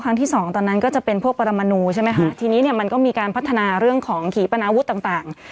ที่สองตอนนั้นก็จะเป็นพวกปรมนูใช่ไหมคะทีนี้เนี่ยมันก็มีการพัฒนาเรื่องของขีปนาวุธต่างต่าง